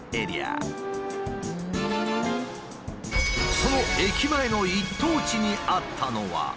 その駅前の一等地にあったのは。